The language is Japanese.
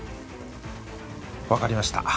わかりました。